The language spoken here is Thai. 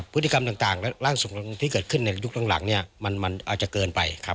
พฤติกรรมต่างและร่างสมุนที่เกิดขึ้นในยุคต่างมันอาจจะเกินไป